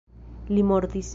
Li mortis.